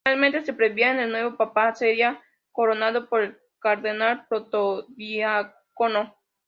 Finalmente, se preveía que el nuevo papa sería coronado por el cardenal protodiácono.